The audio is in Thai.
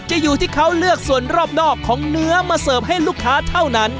อยู่ที่เขาเลือกส่วนรอบนอกของเนื้อมาเสิร์ฟให้ลูกค้าเท่านั้น